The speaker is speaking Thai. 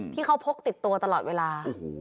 ที่เขาพกติดตัวตลอดเวลา